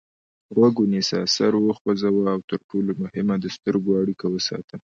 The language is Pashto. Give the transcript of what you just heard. غوږ ونیسه سر وخوځوه او تر ټولو مهمه د سترګو اړیکه وساته.